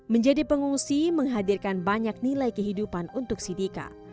menjadi pengungsi menghadirkan banyak nilai kehidupan untuk sidika